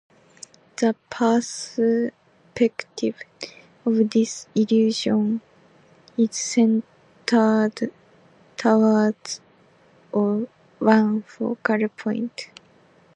The perspective of this illusion is centered towards one focal point.